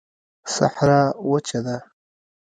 صحرا وچه ده